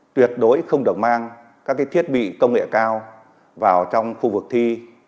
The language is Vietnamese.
tuyệt đối không được mang các thiết bị công nghệ cao vào trong khu vực thi